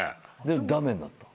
駄目になったの？